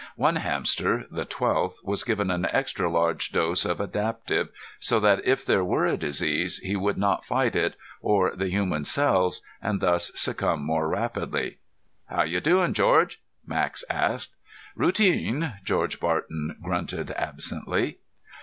One hamster, the twelfth, was given an extra large dose of adaptive, so that if there were a disease, he would not fight it or the human cells, and thus succumb more rapidly. "How ya doing, George?" Max asked. "Routine," George Barton grunted absently.